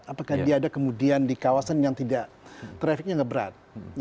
apakah dia ada kemudian di kawasan yang tidak trafficnya nggak berat